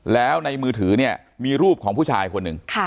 แล้วในมือถือเนี่ยมีรูปของผู้ชายคนหนึ่ง